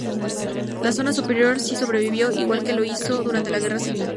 La zona superior sí sobrevivió, igual que lo hizo durante la Guerra Civil.